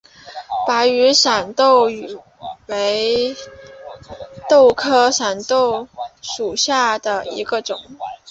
白羽扇豆为豆科羽扇豆属下的一个种。